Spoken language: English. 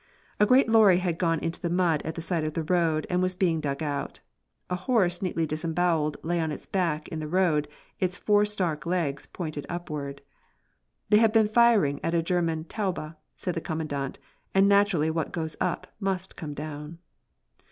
A great lorry had gone into the mud at the side of the road and was being dug out. A horse neatly disembowelled lay on its back in the road, its four stark legs pointed upward. "They have been firing at a German Taube," said the Commandant, "and naturally what goes up must come down."